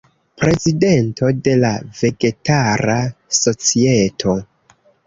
Prezidento de la Vegetara Societo.